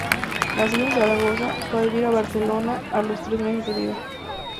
Nacido en Zaragoza, fue a vivir a Barcelona a los tres meses de vida.